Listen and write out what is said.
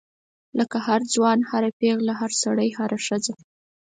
لکه هر ځوان هر پیغله هر سړی هره ښځه.